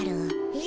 え